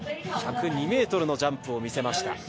１０２ｍのジャンプを見せました。